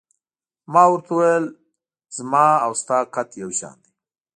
ما ورته وویل: زما او ستا قد یو شان دی.